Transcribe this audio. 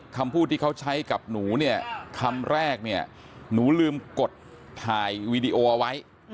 คำพูดที่เขาใช้กับหนูเนี่ยคำแรกเนี่ยหนูลืมกดถ่ายวีดีโอเอาไว้